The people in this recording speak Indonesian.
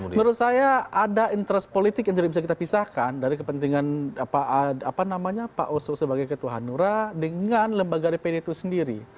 menurut saya ada interest politik yang tidak bisa kita pisahkan dari kepentingan pak oso sebagai ketua hanura dengan lembaga dpd itu sendiri